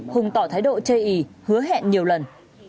hùng tỏ thái độ chê ý hứa hẹn nhiều lần